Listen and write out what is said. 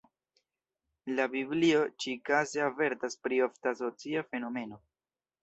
La biblio ĉi-kaze avertas pri ofta socia fenomeno.